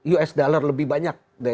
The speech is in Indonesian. us dollar lebih banyak